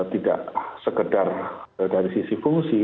tidak sekedar dari sisi fungsi